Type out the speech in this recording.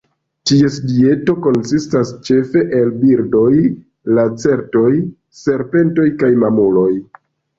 Ties dieto konsistas ĉefe el birdoj, lacertoj, serpentoj kaj mamuloj.